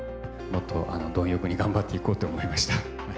もっと貪欲に頑張っていこうって思いました。